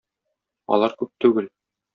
Алар күп түгел.